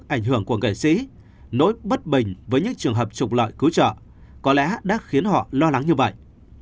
ảnh hưởng của nghệ sĩ nỗi bất bình với những trường hợp trục lợi cứu trợ có lẽ đã khiến họ lo lắng như vậy